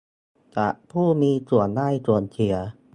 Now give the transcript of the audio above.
จากผู้มีส่วนได้ส่วนเสีย